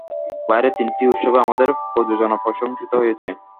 বাইরের তিনটি উৎসবে আমাদের প্রযোজনা প্রশংসিত হয়েছে।